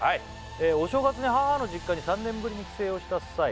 「お正月に母の実家に３年ぶりに帰省をした際」